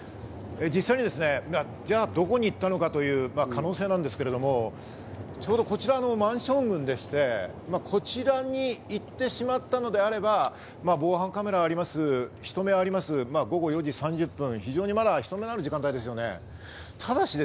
実際に、じゃあどこに行ったのかという可能性なんですけど、ちょうどこちらのマンション群でして、こちらに行ってしまったのであれば、防犯カメラがあります、人目があります、午後４時３０分、まだ人がいる時間帯ですよね。